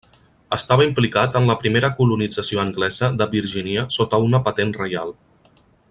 Estava implicat en la primera colonització anglesa de Virgínia sota una patent reial.